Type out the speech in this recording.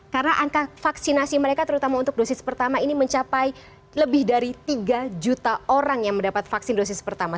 karena angka vaksinasi mereka terutama untuk dosis pertama ini mencapai lebih dari tiga juta orang yang mendapat vaksin dosis pertama